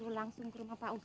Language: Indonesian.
lu jangan emosi n fus